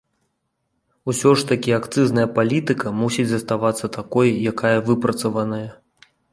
Усё ж такі акцызная палітыка мусіць заставацца такой, якая выпрацаваная.